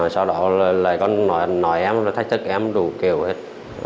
sau đó lại còn nói em thách thức em đủ kiểu hết